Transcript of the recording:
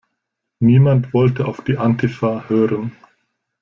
Niemand wollte auf die Antifa hören.